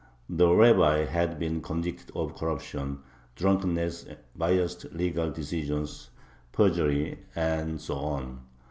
The Rabbi had been convicted of corruption, drunkenness, biased legal decisions, perjury, and so on.